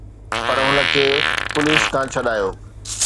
پر هن کي پوليس کان ڇڏايو